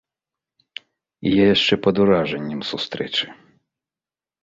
І я яшчэ пад уражаннем сустрэчы.